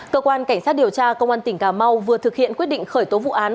cơ quan cảnh sát điều tra công an tỉnh cà mau vừa thực hiện quyết định khởi tố vụ án